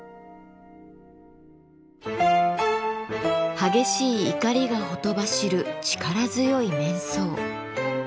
激しい怒りがほとばしる力強い面相。